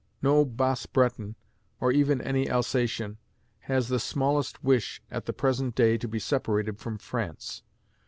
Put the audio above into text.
No Bas Breton, nor even any Alsatian, has the smallest wish at the present day to be separated from France.